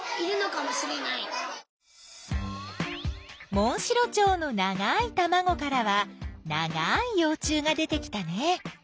モンシロチョウのながいたまごからはながいよう虫が出てきたね。